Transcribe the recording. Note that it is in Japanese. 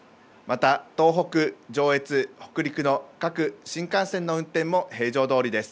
また東北、上越、北陸の各新幹線の運転も平常どおりです。